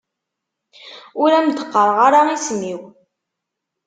Ur am-d-qqareɣ ara isem-iw.